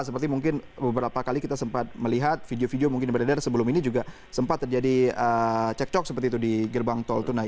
seperti mungkin beberapa kali kita sempat melihat video video mungkin beredar sebelum ini juga sempat terjadi cekcok seperti itu di gerbang tol tunai